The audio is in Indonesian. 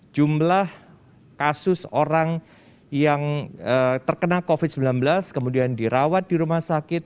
jumlah kasus orang yang terkena covid sembilan belas kemudian dirawat di rumah sakit